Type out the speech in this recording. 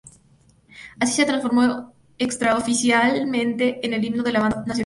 Así se transformó extraoficialmente en el Himno a la Bandera Nacional.